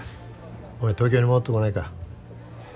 お前東京に戻ってこないか？